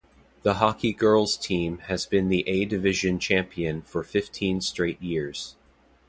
The hockey girls' team has been the A-division champion for fifteen straight years.